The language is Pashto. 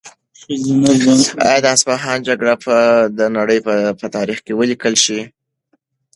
آیا د اصفهان جګړه به د نړۍ په تاریخ کې ولیکل شي؟